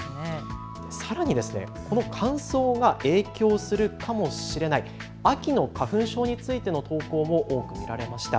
さらにこの乾燥が影響するかもしれない秋の花粉症についての投稿も多く見られました。